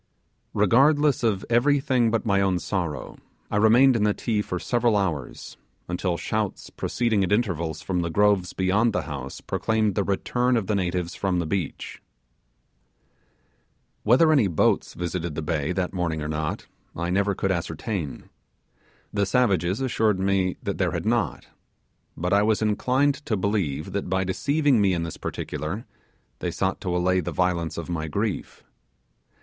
Regardless of everything but my own sorrow, I remained in the Ti for several hours, until shouts proceeding at intervals from the groves beyond the house proclaimed the return of the natives from the beach. Whether any boats visited the bay that morning or not, I never could ascertain. The savages assured me that there had not but I was inclined to believe that by deceiving me in this particular they sought to allay the violence of my grief.